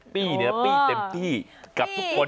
ปี้เนี่ยปี้เต็มที่กับทุกคน